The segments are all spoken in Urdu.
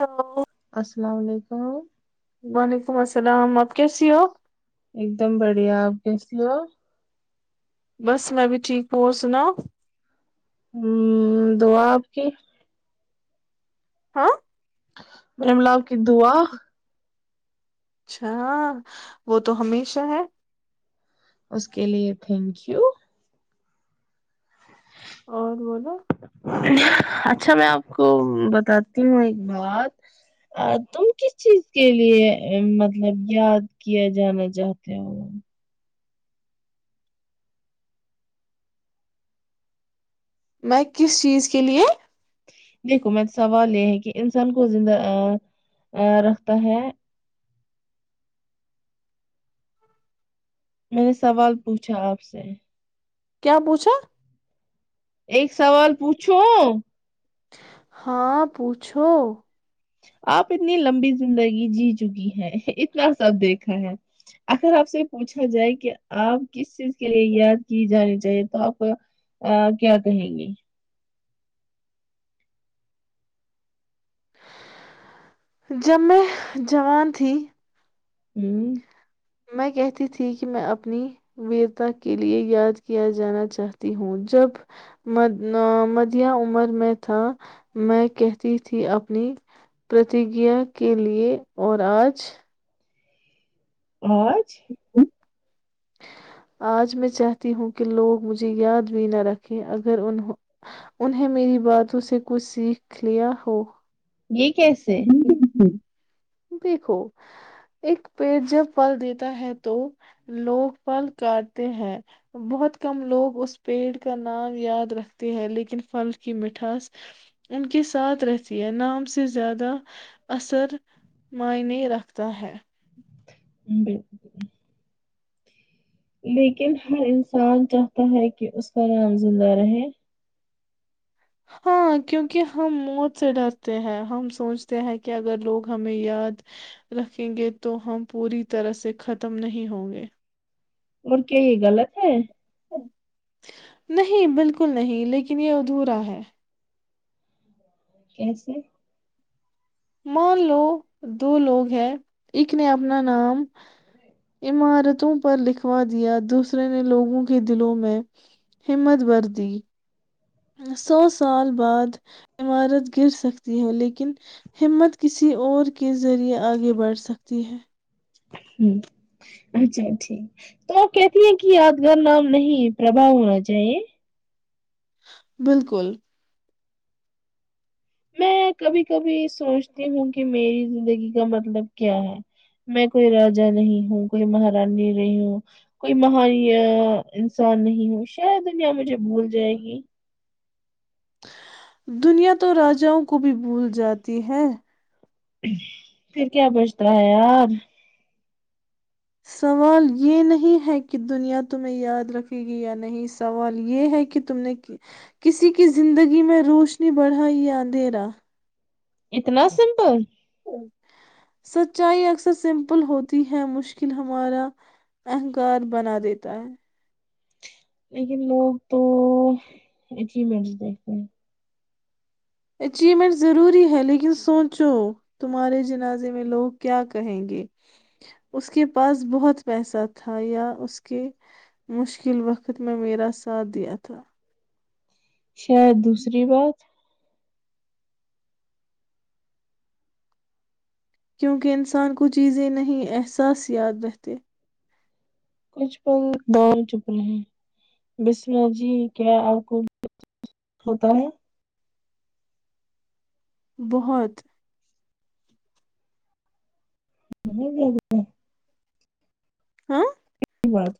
ہاں السلام علیکم وعلیکم السلام آپ کیسی ہو ایک دم بڑھیا آپ کیس لی ہو بس میں بھی ٹھیک پ اور سناؤ ہ دعب کی ہاں میرے ملاپ کی دعا اچھا وہ تو ہمیشہ ہے اس کے لیے تھینک یو اور بولا اچھا میں آپ کو بتاتی ہوں ایک بات تم کس چیز کے لیے مطلب یاد کیا جانا چاہتے ہو میں کس چیز کے لے دیکھو میں سوال یہ ہے کہ انسان کو زندہ رکھتا ہے میں نے سوال پوچھا آپ سے کیا پوچھا؟ ایک سوال پوچھو ہاں پوچھو آپ اتنی لمبی زندگی جی چکی ہیں اتنا سب دیکھا ہے اگر آپ سے پوچھا جائے کہ آپ کس چیز کے لیے یاد کی جانی چاہیے تو آپ کیا کہیں گی جب میں جوان تھی ہوں میں کہتی تھی کہ میں اپنی ویرتا کے لیے یاد کیا جانا چاہتی ہوں جب مدیا عمر میں تھا میں کہتی تھی اپنی پرتیجا کے لیے اور آج آانج آج میں چاہتی ہوں کہ لوگ مجھے یاد بھی نہ رکھیں اگر ان انہیں میری باتوں سے کچھ سیکھ لیا ہو یہ کیسے دیکھو ایک پیڑ جب پھل دیتا ہے تو لوگ پھل کاٹتے ہیں بہت کم لوگ اس پیڑ کا نام یاد رکھتے ہیں لیکن پھل کی مٹھاس ان کے ساتھ رہتی ہے نام سے زیادہ اثر معنی رکھتا ہے ہ ب [unintelligible] لیکن ہر انسان چاہتا ہے کہ اس کا نام زندہ رہے ہاں کیونکہ ہم موت سے ڈرتے ہیں ہم سوچتے ہیں کہ اگر لوگ ہمیں یاد رکھیں گے تو ہم پوری طرح سے ختم نہیں ہوں گے اورر کہ غلط ہے نہیں بالکل نہیں لیکن یہ ادھورا ہے کیسے مان لو دو لوگ ہیں ایک نے اپنا نام عمارتوں پر لکھوا دیا دوسرے نے لوگوں کے دلوں میں ہمت بر دی سو سال بعد عمارت گر سکتی ہے لیکن ہمت کسی اور کے ذریعے آگے بڑھ سکتی ہے ہ اچھا ٹھیک تو آپ کہتی ہیں کہ یادگار نام نہیں پربھا ہونا چاہیے بالکل میں کبھی کبھی سوچتی ہوں کہ میری زندگی کا مطلب کیا ہے میں کوئی راجا نہیں ہوں کوئی مہارانیانی نہیں ہوں کوئی مہان انسان نہیں ہوں شاید دنیا مجھے بھول جائے گی [unintelligible] دنیا تو راجاؤوں کو بھی بھول جاتی ہے پھر کیا بچتا ہے یار سوال یہ نہیں ہے کہ دنیا تمہیں یاد رکھے گی یا نہیں سوال یہ ہے کہ تم نے کسی کی زندگی میں روشنی بڑھا یا اندھیرا اتنا سمپل سچائی اکثر سمپل ہوتی ہے مشکل ہمارا اہنکار بنا دیتا ہے لیکن لوگ تو اچیومنٹس دیکھتے ہیں اچیومنٹ ضروری ہے لیکن سوچو تمہارے جنازے میں لوگ کیا کہیں گے اس کے پاس بہت پیسہ تھا یا اس کے مشکل وقت میں میرا ساتھ دیا تھا شاید دوسری بات کیونکہ انسان کو چیزیں نہیں احساس یاد رہتے کچھ پل دو چپ رہے ہیں بسم جی کیا آپ کو ہوتا ہے بہت ے [unintelligible] ہاں بات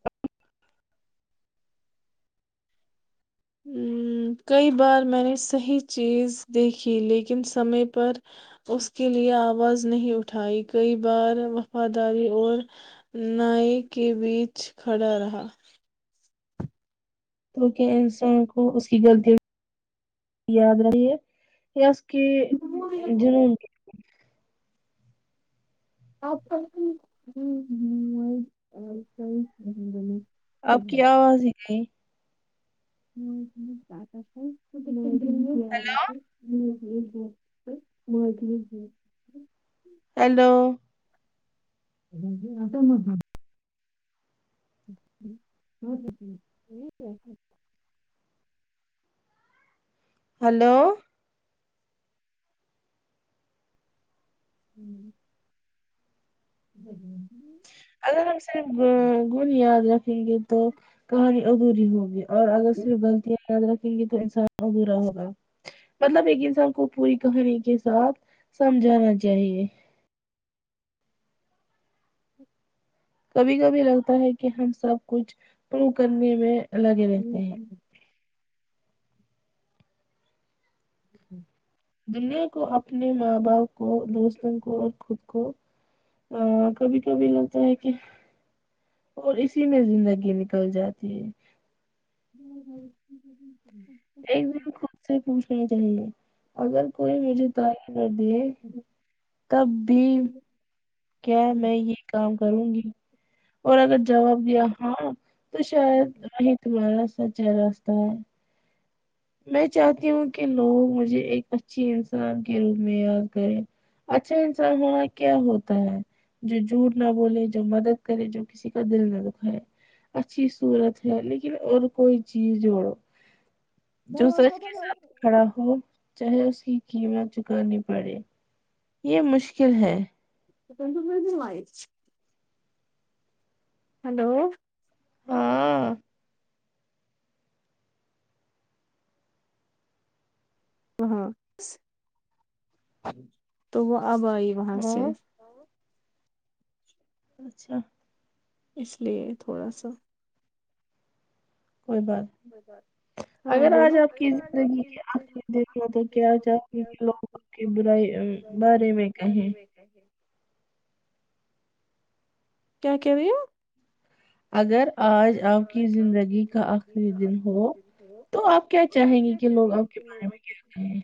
کئی بار میں نے صحیح چیز دیکھی لیکن سمے پر اس کے لئے آواز نہیں اٹھائی کئی بار وفاداری اور نائ کے بیچ کھڑا رہا تو کیا انسان کو وہ اس کی غلطی یاد رہی ہے کہ جن آپ ہ ہ وہ [unintelligible] آپ کی آواز ہے جی بات س تو [unintelligible] ہیلو ج ب [unintelligible] ہیلو آا مت [unintelligible] ہ ہ ج جی ٹھیک ہے [unintelligible] ہلو ہوں ہ ہ اگر ہم صرف گن یاد رکھیں گے تو کہانی ادھوری ہوگی اور اگر صرف بلتی یاد رکھیں گے تو انسان ادھورا ہوگا مطلب ایک انسان کو پوری کہانی کے ساتھ سمجھانا چاہیے کبھی کبھی لگتا ہے کہ ہم سب کچھ پرو کرنے میں الگے رہتے ہیں ہ دنیا کو اپنے ماں باپ کو دوستوں کو اور خود کو کبھی کبھی لگتا ہے کہ اور اسی میں زندگی نکل جاتی ہے ہ ہ ہ ہ ایک دن خود سے پوچھنا چاہیے اگر کوئی مجھے تعریف کر دیے تب بھی کیا میں یہ کام کروں گی اور اگر جواب دیا ہاں تو شاید تمہارا سچا راستہ ہے میں چاہتی ہوں کہ لوگ مجھے ایک اچھیے انسان کے روپ میں یاد کرے اچھا انسان ہونا کیا ہوتا ہے جو جوٹ نہ بولے جو مدد کرے جو کسی کا دل نہ دکھائے اچھی صورت ہے لیکن اور کوئی چیز جوڑو جور کے ساتھ کھڑا ہو چاہے اس کی قیمت چکانی پڑے یہ مشکل ہے تو تو م د وائ ہلو ہاں ہاں تو وہ ابائی وہاںاں سے ہاں اچھا اس لیئے تھوڑا سا کوئی بات نہیں ہاں اگر آج بولو آپ کی زندگی کی آخر دیکھو تو کیا آ آپ لوگ آ کی برائی بارے میں کہیں کیا کہ رہے ہیں؟ اگر آج آپ کی زندگی کا آخری دن ہو تو آپ کیا چاہیں گے کہ لوگ آپ کے بارے میں کیا کہیں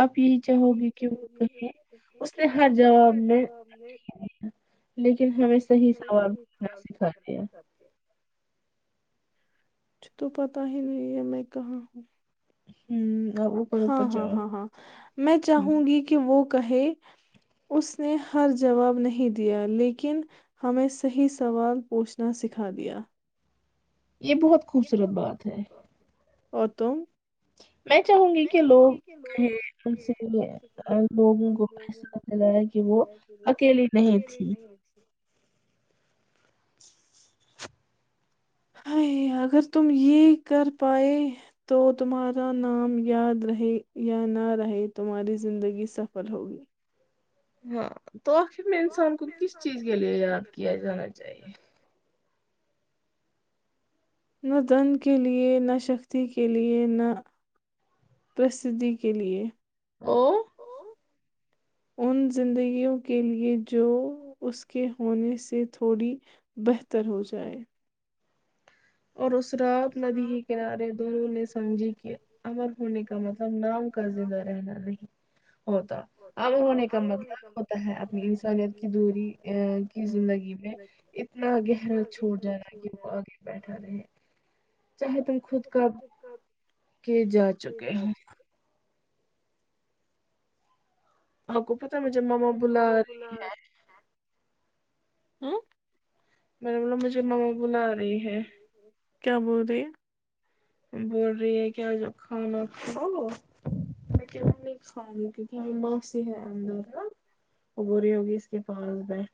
آپ یہی چاہو گے کہ وہ کہیں اس نے ہر جواب مجھے میںیا لیکن ہمیں صحیح سوابنا سکھا دیا تو پتا ہی نہیں ہے میں کہاں ہوں ہوں آپ اوپر اوپر ہاں ہاں جاؤ ہاں ہاں میں ہوں، چاہوں گی کہ وہ کہے اس نے ہر جواب نہیں دیا لیکن ہمیں صحی سوال پوچھنا سکھا دیا یہ بہت خوبصورت بات ہے قتم میں چاہوں گی کہ لوگ ان سے لوگوں کو فیصلہ کیا جیا کہ وہ اکیلی نہیں تھی ہ اگر تم یہ کر پائے تو تمہارا نام یاد رہے یا نہ رہے تمہاری زندگی سفل ہوگی ہاں تو آخر میں انسان کو کس چیز کے لیے یاد کیا جانا چاہیے نہ دن کے لیے نہ شکتی کے لیے نہ پرسدی کے لیے او ان زندگیوں کے لیے جو اس کے ہونے سے تھوڑی بہتر ہو جائے اور اس رات ندی کے کنارے دونوں نے سمجھی کہ امر ہونے کا مطلب نام کا زندہ رہنا نہیں ہوتا امر ہونے کا مطلب ہوتا ہے اپنی انسانیت کی دوری کی زندگی میں اتنا گہرا چھوڑ جانا کہ وہ آگے بیٹھ ارے چاہے تم خود کا کے جا چکے ہو حک پت ہے مجھے ماما بلا رہی ہے ہوں میر نے ب مجھے ما بولا نہیںی ہے کیا بول رہے ہیں بول رہی ہے کیا جب کھانا کھؤ لیکن نہیں کھاؤں گ کیونکہ ہم ماسی ہے اندر نا وہ بری ہوگی اس کے پاس بیٹھ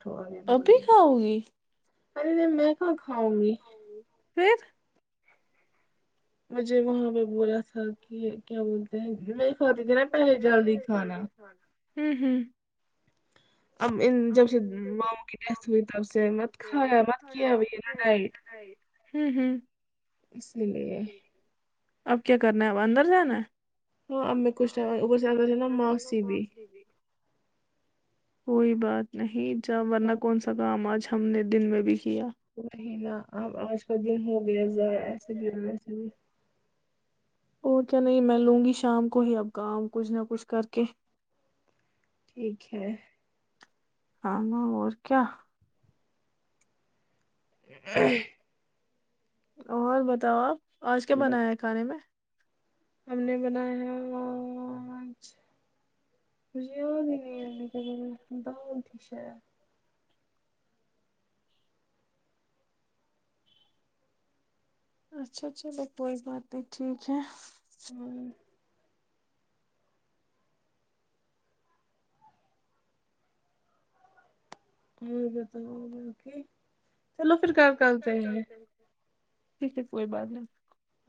ابھی کھاؤ گی ارے نہیں میں کہاں کھاؤں گی پھر مجھے وہاں پہ بولا تھا کہ کیا بولتے ہیں میں کھا دتے نا پیسے جلد ہی کھانا ہوں ہوں اب ان جب سے ماموں کی ڈیتھ ہوئی تب سے مت کھایا مت ہوں کیا بھی ڈائٹ ہوں اسی لیے اب کیا کرنا ہے اب اندر جانا ہے ہاں اب میں کچھ ٹائم اور سے آ تھ نا ما سی ہے بھی کوئی بات نہیں [inaudible] ہم نے دن میں بھی کیا نہیں نا اب آج کا دن ہو گیا ایسے بھی ایسے بھی اور کیا نہیں میں لوں گی شام کو ہی اب کام کچھ نہ کچھ کر کے ٹھیک ہے ہ اور کیا ا [inaudible] اور بتاؤ آپ آج کیا بنایا ہے بس کھانے میں ہم نے بنایا ہے او ج [inaudible] ہ ھ شاا [inaudible] اچھا چھل پوئی بات نہیں ٹھیک ہے ہوں ہو پ تو بکی چلو [inaudible] فکار کرتے ہیں ٹھیک ہے کوئی بات نہیں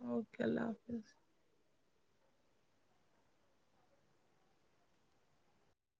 اوکے اللہ حافظ